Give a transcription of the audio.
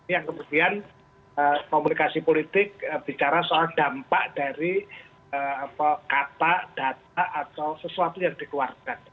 yang kemudian komunikasi politik bicara soal dampak dari kata data atau sesuatu yang dikeluarkan